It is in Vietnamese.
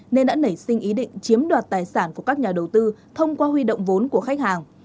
nên đã nảy sinh ý định chiếm đoạt tài sản của các nhà đầu tư thông qua huy động vốn của khách hàng